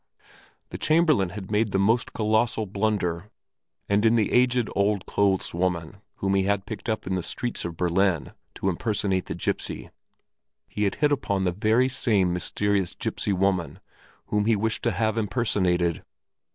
The Chamberlain had made the most colossal blunder, and in the aged old clothes woman, whom he had picked up in the streets of Berlin to impersonate the gipsy, he had hit upon the very same mysterious gipsy woman whom he wished to have impersonated.